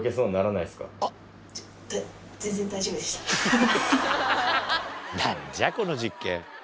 なんじゃこの実験。